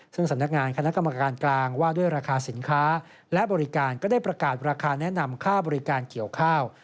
ซึ่งสำนักงานคณะกรรมการกลางว่าด้วยราคาสินค้าและบริการก็ได้ประกาศราคาแนะนำค่าบริการเกี่ยวข้าว